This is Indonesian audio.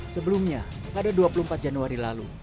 sebelumnya pada dua puluh empat januari lalu